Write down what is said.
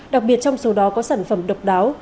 đặc biệt trong số đó có sản phẩm độc đáo